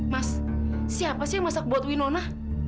mas siapa sih yang masak buat winona